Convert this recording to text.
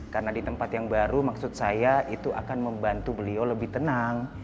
karena di tempat yang baru maksud saya itu akan membantu beliau lebih tenang